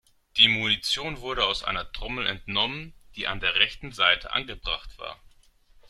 Die Munition wurde aus einer Trommel entnommen, die an der rechten Seite angebracht war.